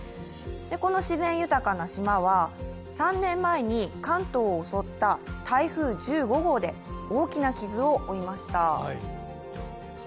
この自然豊かな島は３年前に関東を襲った台風１５号で大きな傷を負いました。